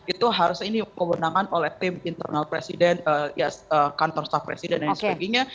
itu harusnya ini kewenangan oleh tim internal presiden kantor staf presiden dan sebagainya